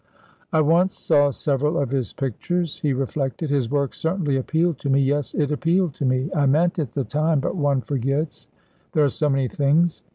"I once saw several of his pictures," he reflected. "His work certainly appealed to me ... yes, it appealed to me. I meant at the time ... but one forgets; there are so many things."